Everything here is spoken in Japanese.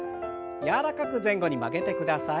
柔らかく前後に曲げてください。